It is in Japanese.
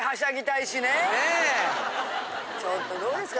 ちょっとどうですか？